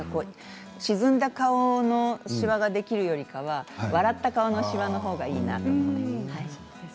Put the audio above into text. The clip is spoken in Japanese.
沈んだ顔のしわができるよりかは笑った顔のしわのほうがいいなって。